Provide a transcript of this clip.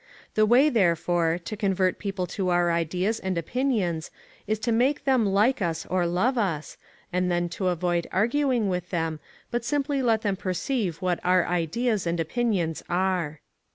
The way, therefore, to convert people to our ideas and opinions is to make them like us or love us, and then to avoid arguing with them, but simply let them perceive what our ideas and opinions are.